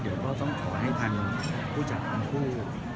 เดี๋ยวก็ต้องขอให้ทางผู้จัดทั้งคู่